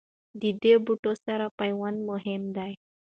د دې بوټو سره پیوند مهم دی.